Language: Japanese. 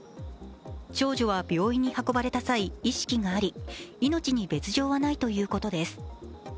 長女は病院に運ばれた際、意識があり命に別状はないということです。